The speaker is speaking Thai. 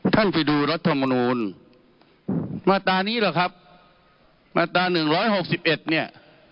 ท่านไปดูรัฐมนูลมาตรานี้เหรอครับมาตรา๑๖๑เนี่ย